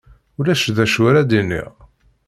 Ulac d acu ara d-iniɣ.